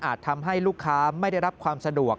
ทำให้ลูกค้าไม่ได้รับความสะดวก